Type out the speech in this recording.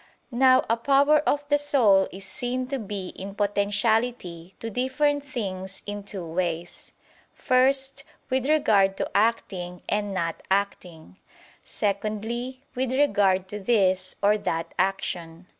Now a power of the soul is seen to be in potentiality to different things in two ways: first, with regard to acting and not acting; secondly, with regard to this or that action.